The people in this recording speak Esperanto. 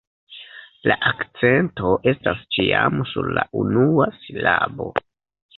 La akcento estas ĉiam sur la unua silabo.